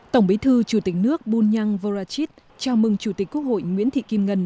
tổng bí thư chủ tịch nước bunyang vorachit chào mừng chủ tịch quốc hội nguyễn thị kim ngân